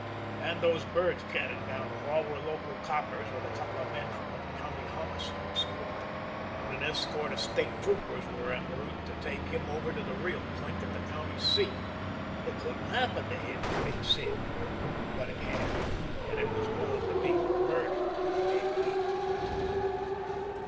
And those birds chatting down the hall were local coppers with a couple of men from the County Homicide Squad. And an escort of State Troopers were en route to take him over to the real clink at the county seat. It couldn't happen to him, Big Sid. But it had. And it was going to be for murder, maybe.